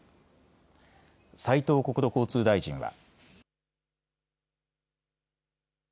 斉藤国土交通大臣は。